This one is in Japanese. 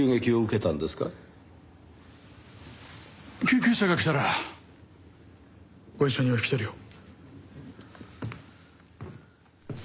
救急車が来たらご一緒にお引き取りを。